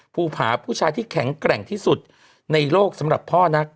ภูผาผู้ชายที่แข็งแกร่งที่สุดในโลกสำหรับพ่อนัก